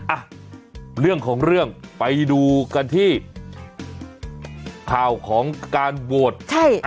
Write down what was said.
อ่ะเรื่องของเรื่องไปดูกันที่ข่าวของการโหวตใช่